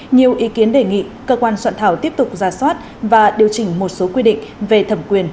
nhiều ý kiến đề nghị cơ quan soạn thảo tiếp tục ra soát và điều chỉnh một số quy định về thẩm quyền